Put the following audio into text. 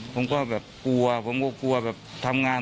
ผมก็เรียกกลัวทำงาน